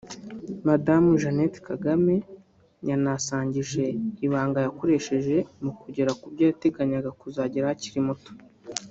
Madamu Jeannette Kagame yanabasangije ibanga yakoresheje mu kugera ku byo yateganyaga kuzageraho akiri muto